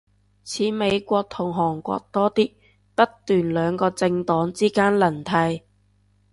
似美國同韓國多啲，不斷兩個政黨之間輪替